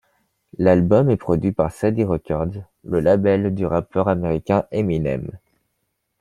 L'album est produit par Shady Records, le label du rappeur américain Eminem.